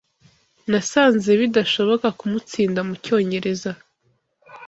Nasanze bidashoboka kumutsinda mucyongereza